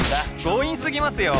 強引すぎますよ！